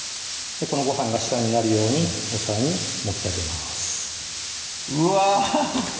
このご飯が下になるようにお皿に盛ってあげますうわ！